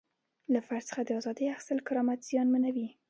له فرد څخه د ازادۍ اخیستل کرامت زیانمنوي.